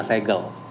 bisa kena segel